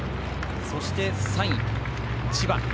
そして、３位の千葉。